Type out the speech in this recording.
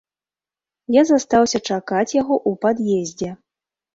Я застаўся чакаць яго ў пад'ездзе.